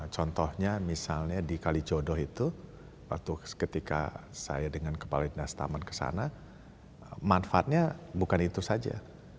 contohnya misalnya di kali jodoh itu ketika saya dengan kepala indah staman ke sana manfaatnya bukan itu saja